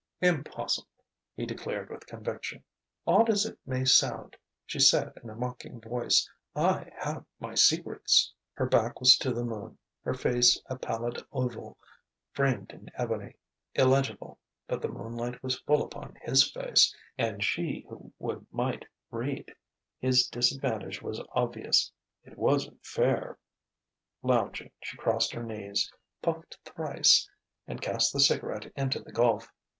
"Impossible!" he declared with conviction. "Odd as it may sound," she said in a mocking voice, "I have my secrets." Her back was to the moon, her face a pallid oval framed in ebony, illegible; but the moonlight was full upon his face, and she who would might read. His disadvantage was obvious. It wasn't fair.... Lounging, she crossed her knees, puffed thrice and cast the cigarette into the gulf.